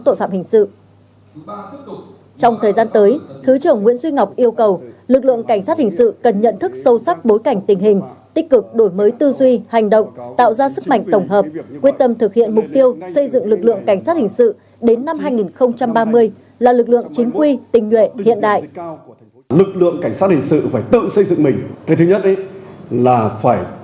tội phạm hình sự trong thời gian tới thứ trưởng nguyễn duy ngọc yêu cầu lực lượng cảnh sát hình sự cần nhận thức sâu sắc bối cảnh tình hình tích cực đổi mới tư duy hành động tạo ra sức mạnh tổng hợp quyết tâm thực hiện mục tiêu xây dựng lực lượng cảnh sát hình sự đến năm hai nghìn ba mươi là lực lượng chính quy tình nguyện hiện đại